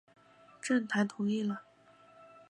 郑覃同意了。